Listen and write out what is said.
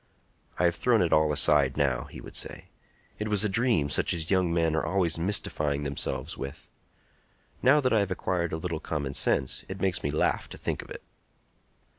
"I have thrown it all aside now," he would say. "It was a dream such as young men are always mystifying themselves with. Now that I have acquired a little common sense, it makes me laugh to think of it."